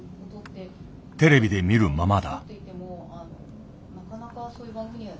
テレビで見るままだ。